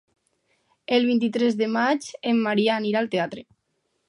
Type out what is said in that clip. El vint-i-tres de maig en Maria anirà al teatre.